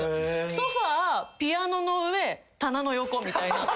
ソファピアノの上棚の横みたいな。